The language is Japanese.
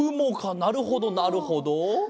なるほどなるほど。